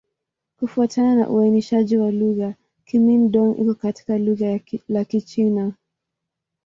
Kufuatana na uainishaji wa lugha, Kimin-Dong iko katika kundi la Kichina.